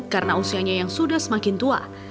karena usianya yang sudah semakin tua